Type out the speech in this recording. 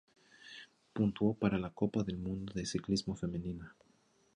Puntuó para la Copa del Mundo de Ciclismo femenina.